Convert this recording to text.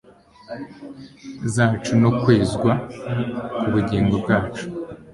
zacu no kwezwa kubugingo bwacu